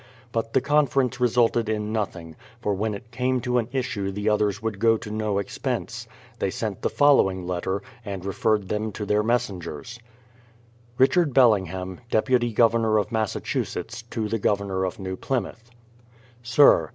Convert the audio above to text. But the conference resulted in nothing, for when it came to an issue the others would go to no ex pense. They sent the following letter, and referred them to their messengers. 270 BRADFORD'S HISTORY OF Richard Bellingham, Deputy Governor of Massachusetts, to the Governor of New Plymouth: Sir.